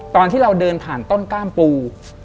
ตอนที่เราเดินผ่านต้นกล้ามปู